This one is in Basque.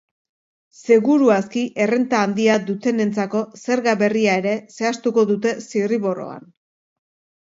Seguru aski, errenta handia dutenentzako zerga berria ere zehaztuko dute zirriborroan.